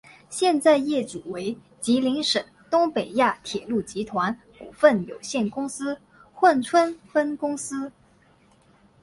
现在业主为吉林省东北亚铁路集团股份有限公司珲春分公司。